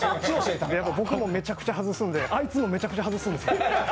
僕もめちゃくちゃ外すんで、あいつもめちゃくちゃ外すです。